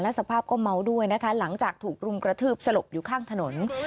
สภาพก็เมาด้วยนะคะหลังจากถูกรุมกระทืบสลบอยู่ข้างถนน